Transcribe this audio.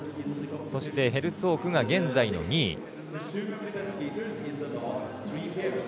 そして、ヘルツォークが現在の２位。